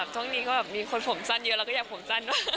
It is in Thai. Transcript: ช่วงนี้ก็แบบมีคนผมสั้นเยอะแล้วก็อยากผมสั้นเนอะ